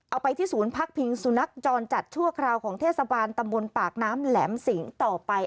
เอาไปที่ศูนย์พักพิงสุนัขจรจัดชั่วคราวของเทศบาลตำบลปากน้ำแหลมสิงต่อไป